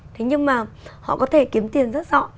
thế nhưng mà họ có thể kiếm tiền rất rõ